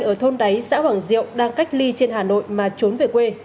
chị lanh ở thôn đáy xã hoàng diệu đang cách ly trên hà nội mà trốn về quê